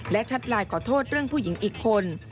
และแชทไลน์ขอโทษเรื่องผู้หญิงอีกคน